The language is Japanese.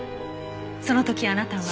その時あなたは。